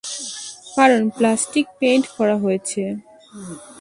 কারণ plastic paint করা হয়েছে।